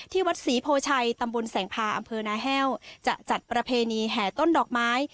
วัดศรีโพชัยตำบลแสงพาอำเภอนาแห้วจะจัดประเพณีแห่ต้นดอกไม้